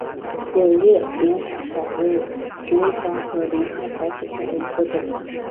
柳叶鳞花草为爵床科鳞花草属下的一个种。